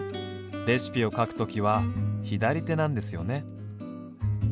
レシピを書くときは左手なんですよね。